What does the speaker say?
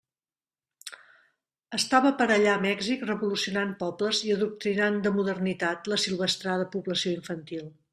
Estava per allà Mèxic revolucionant pobles i adoctrinant de modernitat l'assilvestrada població infantil.